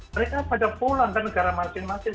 mereka pada pulang ke negara masing masing